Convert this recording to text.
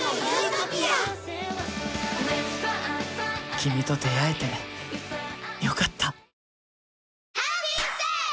キミと出会えてよかった。